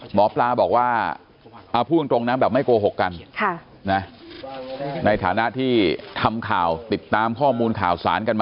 หมอปลาบอกว่าผู้จริงไม่โกหกกันในฐาณะที่ทำข่าวติดตามข้อมูลข่าวศานกันมานาน